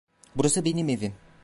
Burası benim evim.